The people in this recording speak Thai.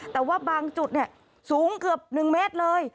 แต่ว่าบางจุดสูงเกือบ๑เมตรเลย